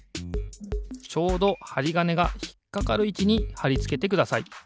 ちょうどはりがねがひっかかるいちにはりつけてください。